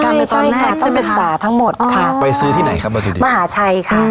ต้องดูตัวแน่ต้องศึกษาทั้งหมดค่ะไปซื้อที่ไหนครับอาหารใช่ค่ะ